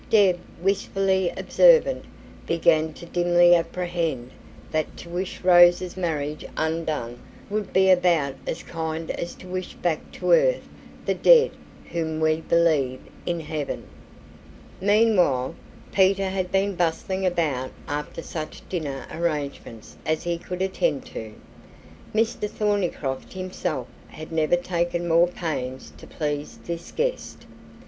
Deb, wistfully observant, began to dimly apprehend that to wish Rose's marriage undone would be about as kind as to wish back to earth the dead whom we believe in heaven. Meanwhile, Peter had been bustling about after such dinner arrangements as he could attend to. Mr Thornycroft himself had never taken more pains to please this guest.